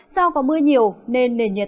sau có mưa nhiều nên nền nhiệt